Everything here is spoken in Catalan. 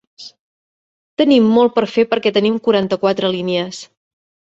Tenim molt per fer perquè tenim quaranta-quatre línies.